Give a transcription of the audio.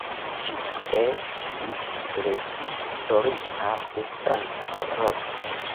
Ĝi estis reĝisorita de Franco Rossi.